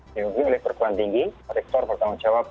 dilingkungi oleh perkeluhan tinggi rektor bertanggung jawab